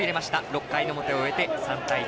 ６回の表を終えて３対１。